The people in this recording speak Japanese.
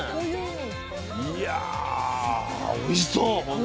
いやおいしそう本当に。